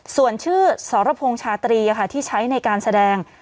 ส่วนชื่อสรพงษ์ชาตรีที่ใช้ในการแสดง